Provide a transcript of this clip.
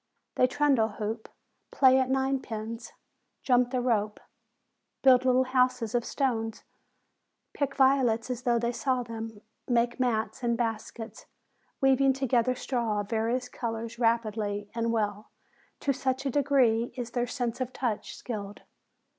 They trundle hoop, play at ninepins, jump the rope, build little houses of stones, pick violets as though they saw them, make mats and baskets, weaving together straw of various colors rapidly and well to such a degree is their sense of touch skilled.